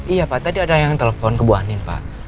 iya pak tadi ada yang telepon ke bu anim pak